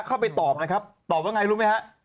เข้าไปตอบนะครับตอบว่าไงรู้ไหมฮะ